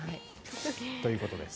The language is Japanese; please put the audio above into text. ということです。